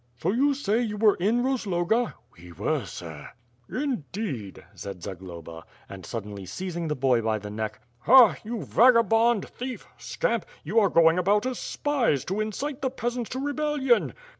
"So you say you were in Rozloga." "We were, sir." "Indeed," said Zagloba, and suddenly seizing the boy by the neck. "Ha! you vagabond, thief, scamp, you are going about as spies, to incite the peasants to rebellion.